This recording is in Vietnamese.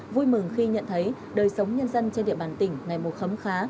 vui mừng khi nhận thấy đời sống nhân dân trên địa bàn tỉnh ngày một khấm khá